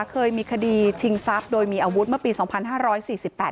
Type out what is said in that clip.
เคยมีคดีชิงทรัพย์โดยมีอาวุธเมื่อปีสองพันห้าร้อยสี่สิบแปด